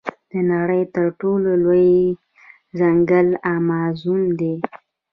د نړۍ تر ټولو لوی ځنګل امازون دی.